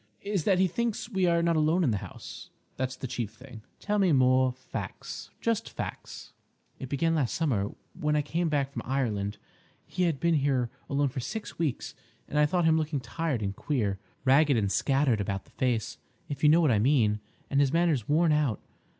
"—is that he thinks we are not alone in the house. That's the chief thing." "Tell me more facts—just facts." "It began last summer when I came back from Ireland; he had been here alone for six weeks, and I thought him looking tired and queer—ragged and scattered about the face, if you know what I mean, and his manner worn out.